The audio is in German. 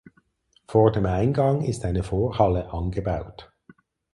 Vor dem Eingang ist eine Vorhalle angebaut.